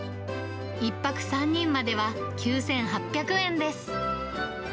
１泊３人までは９８００円です。